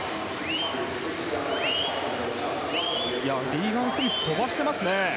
リーガン・スミス飛ばしています。